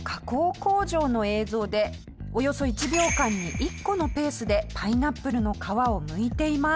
工場の映像でおよそ１秒間に１個のペースでパイナップルの皮をむいています。